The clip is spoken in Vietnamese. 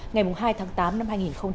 ngày hai tháng tám năm hai nghìn hai mươi